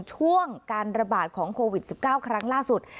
ช่วงการระบาดของโควิด๑๙ครั้งล่าสุด